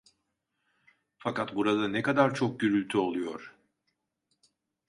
Fakat burada ne kadar çok gürültü oluyor.